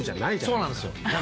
そうなんですよ。